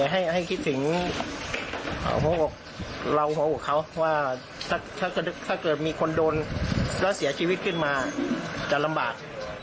ให้คิดถึงหัวอกเราหัวอกเขาว่าถ้าเกิดมีคนโดนแล้วเสียชีวิตขึ้นมาจะลำบาก